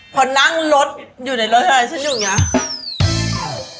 พอนั่งรถอยู่ในรถอะไรฉันอยู่อย่างนี้